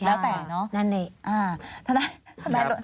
แล้วแต่เนาะ